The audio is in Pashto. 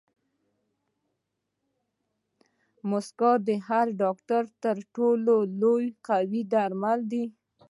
موسکا د هر ډاکټر تر ټولو قوي درمل دي.